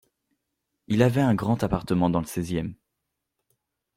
Il avait un grand appartement dans le seizième.